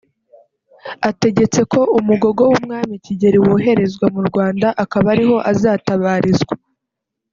ategetse ko umugogo w’umwami Kigeli woherezwa mu Rwanda akaba ariho azatabarizwa